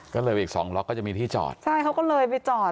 ก็เลยไปอีกสองล็อกก็จะมีที่จอดใช่เขาก็เลยไปจอด